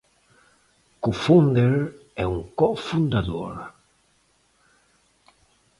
Cofounder é um co-fundador.